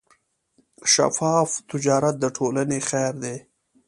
شفاف تجارت د ټولنې خیر دی.